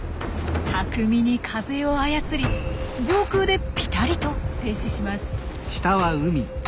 巧みに風を操り上空でピタリと静止します。